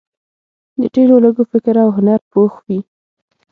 د ډېرو لږو فکر او هنر پوخ وي.